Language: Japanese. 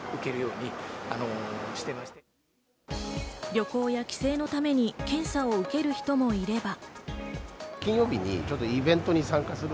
旅行や帰省のために検査を受ける人もいれば。